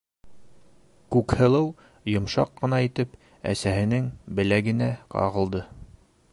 — Күкһылыу йомшаҡ ҡына итеп әсәһенең беләгенә ҡағылды.